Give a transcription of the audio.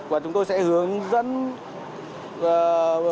và chúng tôi sẽ hướng dẫn chủ xe làm bản cam kết